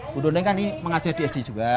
budhnya kan ini mengajar di sd juga